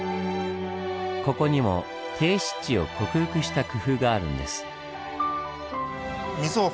ここにも低湿地を克服した工夫があるんです。